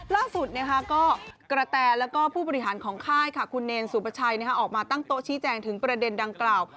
ล่าสุดก็กระแตแล้วก็ผู้บริหารของค่ายค่ะคุณเนรสุประชัยออกมาตั้งโต๊ะชี้แจงถึงประเด็นดังกล่าว